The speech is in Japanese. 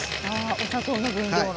お砂糖の分量の。